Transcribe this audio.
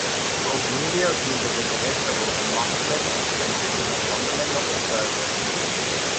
Ook nu weer zien we de berichten over martelingen en mishandelingen opduiken.